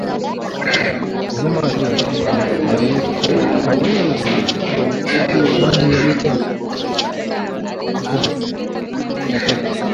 Mnyama asiyeathirika aliyeko hadi umbali wa mita mia mbili huweza kupata homa ya mapafu